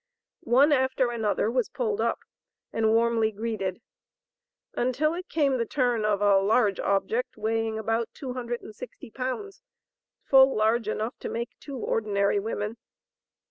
One after another was pulled up, and warmly greeted, until it came the turn of a large object, weighing about two hundred and sixty pounds, full large enough to make two ordinary women.